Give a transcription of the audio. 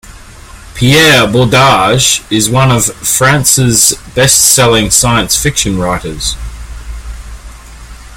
Pierre Bordage is one of France's best-selling science fiction writers.